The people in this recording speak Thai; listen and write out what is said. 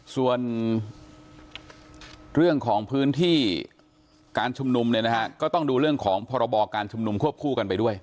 ส่วนเรื่องของพื้นที่การชุมนุมเนี่ยนะฮะก็ต้องดูเรื่องของพรบการชุมนุมควบคู่กันไปด้วย